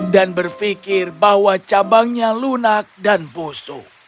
dan berfikir bahwa cabangnya lunak dan busuk